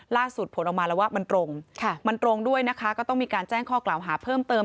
ผลออกมาแล้วว่ามันตรงมันตรงด้วยนะคะก็ต้องมีการแจ้งข้อกล่าวหาเพิ่มเติม